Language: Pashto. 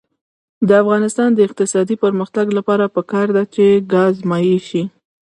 د افغانستان د اقتصادي پرمختګ لپاره پکار ده چې ګاز مایع شي.